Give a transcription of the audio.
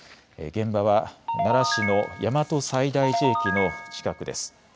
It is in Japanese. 現場は奈良市の大和西大寺駅の近くです。